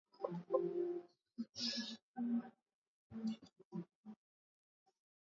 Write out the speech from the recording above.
Je, utaenda sokoni kesho kutwa?